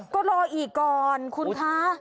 ก็รออีกก่อนคุณคะ